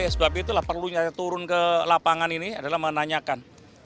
sebab itulah perlunya turun ke lapangan ini adalah menanyakan